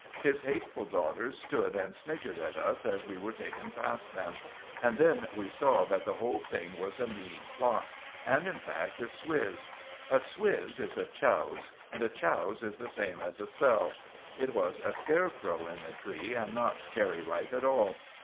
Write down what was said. His hateful daughters stood and sniggered at us as we were taken past them; and then we saw that the whole thing was a mean plot, and, in fact, a swizz. A swizz is a chouse, and a chouse is the same as a sell. It was a scarecrow in the tree and not Cherry Ripe at all!